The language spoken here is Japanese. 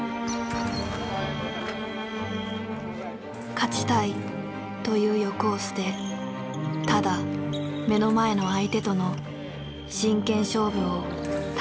「勝ちたい」という欲を捨てただ目の前の相手との「真剣勝負を楽しむ」。